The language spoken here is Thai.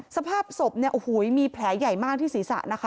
สภาพศพมีแผลใหญ่มากที่ศีรษะนะคะ